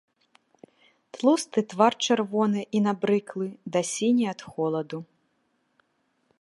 Тлусты твар чырвоны і набраклы да сіні ад холаду.